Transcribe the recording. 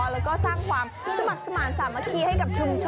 แล้วก็สร้างความสมัครสมาธิสามัคคีให้กับชุมชน